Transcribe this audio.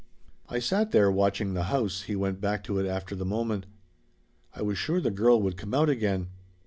"I sat there watching the house," he went back to it after the moment. "I was sure the girl would come out again.